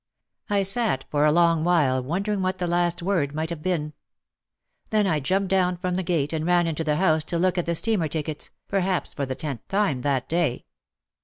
I sat for a long while wondering what the last word might have been. Then I jumped down from the gate and ran into the house to look at the steamer tickets, perhaps for the tenth time that day.